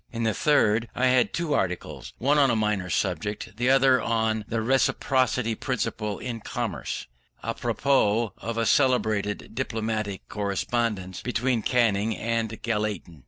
In the third I had two articles, one on a minor subject, the other on the Reciprocity principle in commerce, à propos of a celebrated diplomatic correspondence between Canning and Gallatin.